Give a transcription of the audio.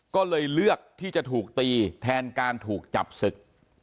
ก็เลยเลือกที่จะถูกตีแทนการถูกจับศึก